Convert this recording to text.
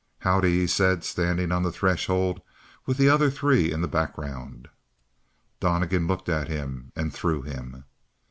"How'dee," he said, standing on the threshold, with the other three in the background. Donnegan looked at him and through him.